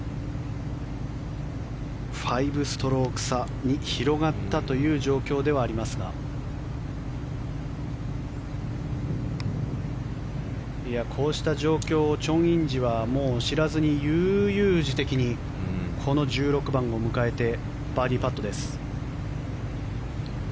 ５ストローク差に広がったという状況ではありますがこうした状況をチョン・インジはもう知らずに悠々自適にこの１６番を迎えてバーディーパットです。